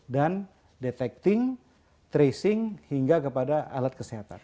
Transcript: detecting tracing hingga kepada alat kesehatan